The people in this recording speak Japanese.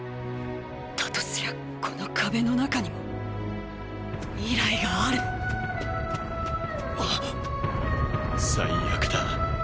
だとすりゃこの壁の中にも未来がある最悪だ。